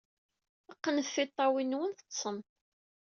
Qqnet tiṭṭawin-nwen, teḍḍsem!